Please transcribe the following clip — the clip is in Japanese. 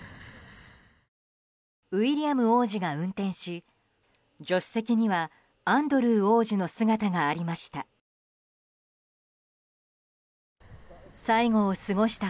ウィリアム王子が運転し助手席にはアンドルー王子の姿がありました。